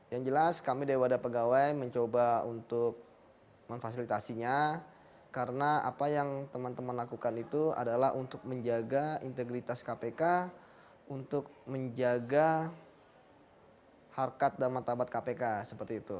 yang jelas kami dari wadah pegawai mencoba untuk memfasilitasinya karena apa yang teman teman lakukan itu adalah untuk menjaga integritas kpk untuk menjaga harkat dan martabat kpk seperti itu